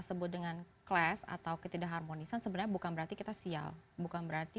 sebut dengan clash atau ketidak harmonisan sebenarnya bukan berarti kita sial bukan berarti